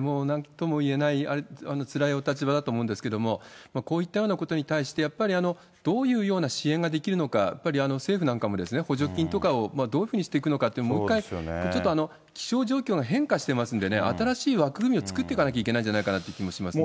もうなんとも言えないつらいお立場だと思うんですけれども、こういったようなことに対して、やっぱりどういうような支援ができるのか、やっぱり政府なんかも補助金とかをどういうふうにしていくのかをもう一回、ちょっと気象状況が変化していますんでね、新しい枠組みを作ってかなきゃいけないんじゃないかなという気がしますね。